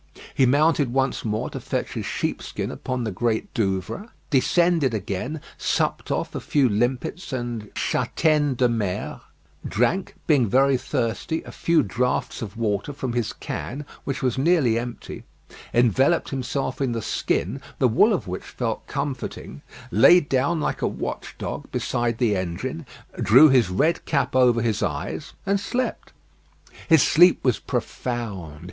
He mounted once more to fetch his sheepskin upon the Great Douvre; descended again, supped off a few limpets and châtaignes de mer, drank, being very thirsty, a few draughts of water from his can, which was nearly empty, enveloped himself in the skin, the wool of which felt comforting, lay down like a watch dog beside the engine, drew his red cap over his eyes and slept. His sleep was profound.